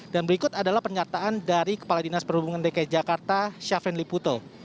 dan berikut adalah penyataan dari kepala dinas perhubungan dki jakarta syafin liputo